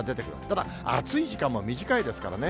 ただ暑い時間も短いですからね。